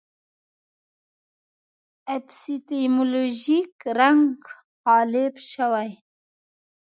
اپیستیمولوژیک رنګ غالب شوی.